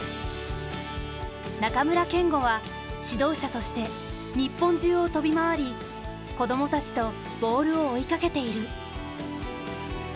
中村憲剛は指導者として日本中を飛び回り子供たちとボールを追いかけている。